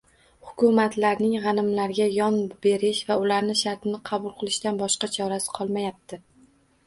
Hukumatlarning g‘animlarga yon berish va ular shartini qabul qilishdan boshqa chorasi qolmayapti